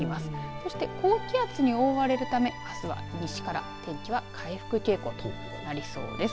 そして、高気圧に覆われるためあすは西から天気は回復傾向となりそうです。